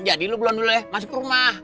jadi lu belum boleh masuk ke rumah